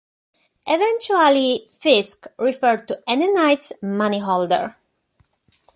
Eventually, "fisc" referred to any knight's money holder.